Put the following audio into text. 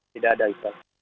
tidak ada itu